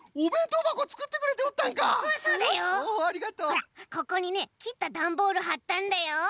ほらここにねきったダンボールはったんだよ。